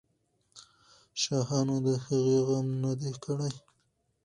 شاهانو د هغې غم نه دی کړی.